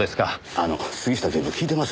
あの杉下警部聞いてます？